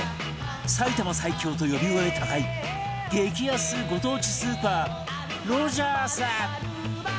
埼玉最強と呼び声高い激安ご当地スーパーロヂャース